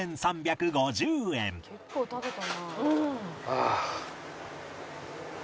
ああ。